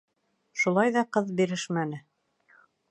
Шулай ҙа ҡыҙ бирешмәне.